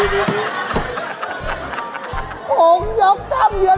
เดี๋ยวหลัง